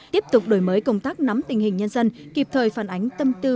tiếp tục đổi mới công tác nắm tình hình nhân dân kịp thời phản ánh tâm tư